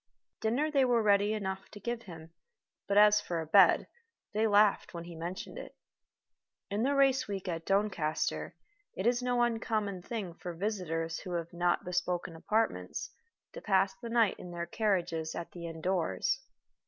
Dinner they were ready enough to give him, but as for a bed, they laughed when he mentioned it. In the race week at Doncaster it is no uncommon thing for visitors who have not bespoken apartments to pass the night in their carriages at the inn doors.